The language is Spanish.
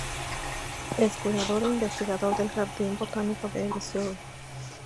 Es curador e investigador del Jardín Botánico de Missouri.